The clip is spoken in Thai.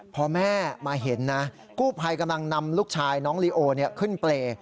พอแม่มาเห็นนะกู้ภัยกำลังนำลูกชายน้องลีโอขึ้นเปรย์